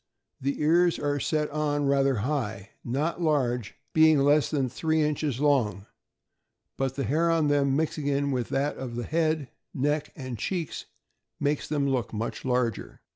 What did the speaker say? — The ears are set on rather high, not large, being less than three inches 'long; but the hair on them, mixing with that of the head, neck, and cheeks, makes them look much larger.